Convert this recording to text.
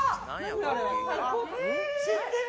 知ってる。